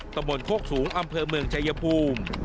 ตะบนโคกสูงอำเภอเมืองชายภูมิ